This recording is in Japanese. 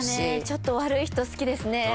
ちょっと悪い人好きですね。